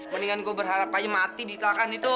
mendingan gue berharap aja mati di telakkan itu